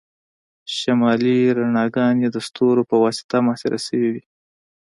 شمالي رڼاګانې د ستورو په واسطه محاصره شوي وي